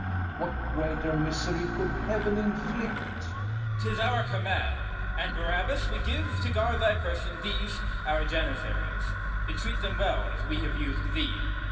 What greater misery could heaven inflict? CALYMATH. 'Tis our command: and, Barabas, we give, To guard thy person, these our Janizaries: Entreat them well, as we have used thee.